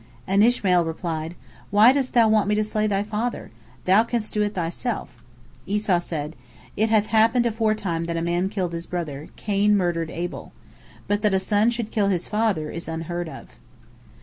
And Ishmael replied: "Why dost thou want me to slay thy father? thou canst do it thyself." Esau said: "It hath happened aforetime that a man killed his brother—Cain murdered Abel. But that a son should kill his father is unheard of."